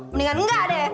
mendingan nggak deh